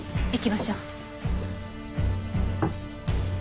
行きましょう。